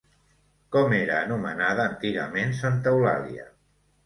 Com era anomenada antigament Santa Eulàlia?